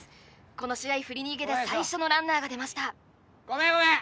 この試合振り逃げで最初のランナーが出ましたごめんごめん！